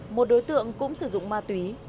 một đối tượng cũng sử dụng ma túy